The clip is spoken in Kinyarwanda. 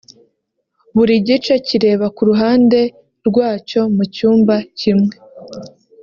buri gice kireba ku ruhande rwacyo mu cyumba kimwe